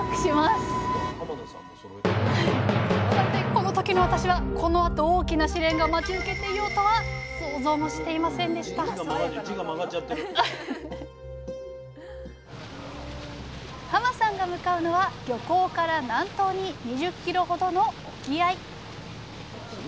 この時の私はこのあと大きな試練が待ち受けていようとは想像もしていませんでしたさんが向かうのは漁港から南東に２０ｋｍほどの沖合。